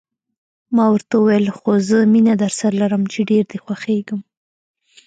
ما ورته وویل: خو زه مینه درسره لرم، چې ډېر دې خوښېږم.